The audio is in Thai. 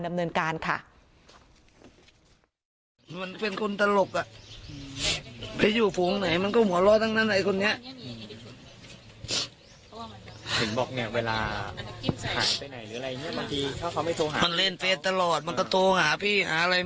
มีตำรวจให้พูดมาพี่